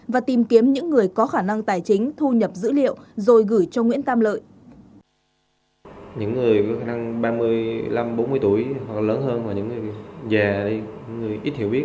và tìm kiếm những người có khả năng tài chính thu nhập dữ liệu rồi gửi cho nguyễn tam lợi